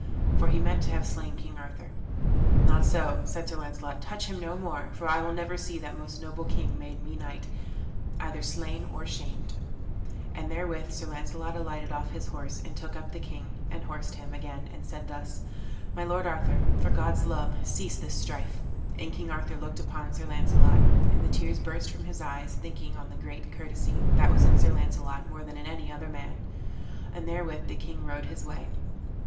for he meant to have slain King Arthur. "Not so," said Sir Launcelot, "touch him no more, for I will never see that most noble king that made me knight either slain or shamed;" and therewith Sir Launcelot alighted off his horse, and took up the king, and horsed him again, and said thus: "My lord Arthur, for God's love, cease this strife." And King Arthur looked upon Sir Launcelot, and the tears burst from his eyes, thinking on the great courtesy that was in Sir Launcelot more than in any other man; and therewith the king rode his way.